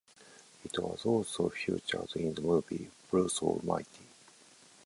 It was also featured in the movie "Bruce Almighty".